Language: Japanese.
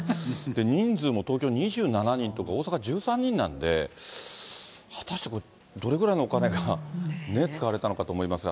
人数も東京２７人とか、大阪１３人なんで、果たしてこれ、どれぐらいのお金が使われたのかと思いますが。